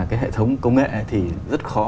cái hệ thống công nghệ thì rất khó